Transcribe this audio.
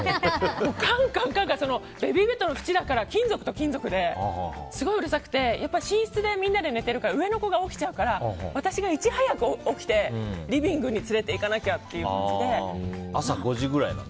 カンカンカンカンベビーベッドの縁だから金属と金属ですごいうるさくて寝室でみんなで寝ているから上の子が起きちゃうから私がいち早く起きてリビングに連れていかなきゃ朝５時ぐらいなの？